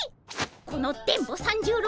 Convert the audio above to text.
この電ボ三十郎